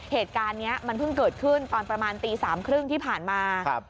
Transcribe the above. เหตุการณ์เนี้ยมันเพิ่งเกิดขึ้นตอนประมาณตีสามครึ่งที่ผ่านมาครับ